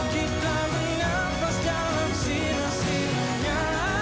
kita menampas dalam silasinya